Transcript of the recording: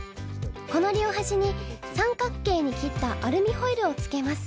この両端に三角形に切ったアルミホイルをつけます。